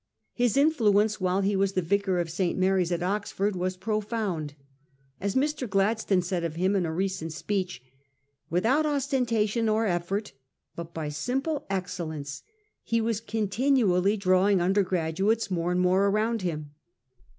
His influence while he was the vicar of St. Mary's at Oxford was profound. As Mr. Gladstone said of him in a recent speech, 1 with out ostentation or effort, but by simple excellence, he was continually drawing undergraduates more and more around him.